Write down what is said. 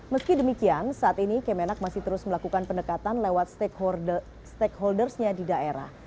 meski demikian saat ini kemenak masih terus melakukan pendekatan lewat stakeholdersnya di daerah